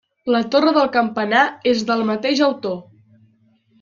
La torre del campanar és del mateix autor.